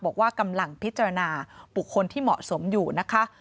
บอกว่ากำลังพิจารณาบุคคลที่เหมาะสมอยู่นะคะ